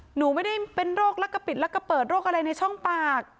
หนูไม่ได้เป็นโรคลักกะปิดลักกะเปิดโรคอะไรในช่องปาก